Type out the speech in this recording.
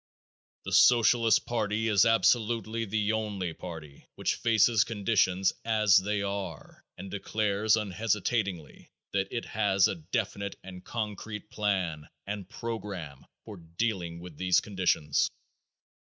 The Socialist party is absolutely the only party which faces conditions as they are and declares unhesitatingly that it has a definite and concrete plan and program for dealing with these conditions.